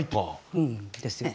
うんですよね。